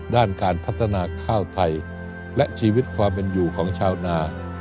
ด้านการพัฒนาข้าวไทยและชีวิตความเป็นอยู่ของชาวนา